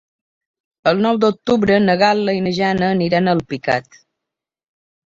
El nou d'octubre na Gal·la i na Jana aniran a Alpicat.